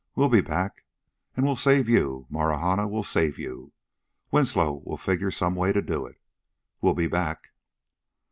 We'll be back. And we'll save you, Marahna, we'll save you. Winslow will figure some way to do it.... We'll be back...."